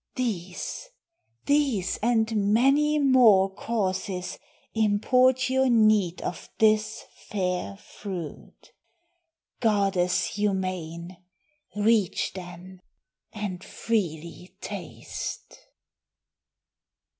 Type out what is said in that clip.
These, these, and many more Causes import your need of this fair fruit. Goddess humane, reach then, and freely taste."